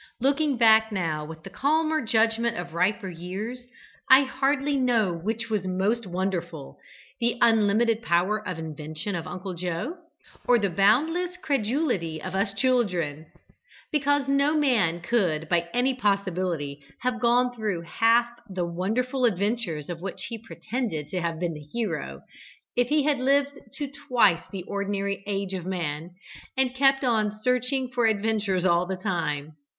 Looking back now, with the calmer judgment of riper years, I hardly know which was most wonderful, the unlimited power of invention of Uncle Joe, or the boundless credulity of us children. Because no man could by any possibility have gone through half the wonderful adventures of which he pretended to have been the hero, if he had lived to twice the ordinary age of man, and kept on searching for adventures all the time.